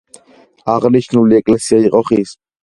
აღნიშნული ეკლესია იყო ხის.